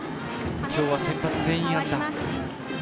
きょうは先発全員安打。